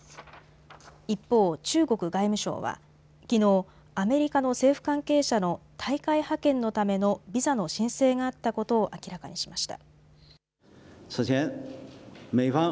一方、中国外務省はきのうアメリカの政府関係者の大会派遣のためのビザの申請があったことを明らかにしました。